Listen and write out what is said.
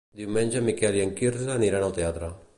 Diumenge en Miquel i en Quirze aniran al teatre.